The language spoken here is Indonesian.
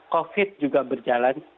covid juga berjalan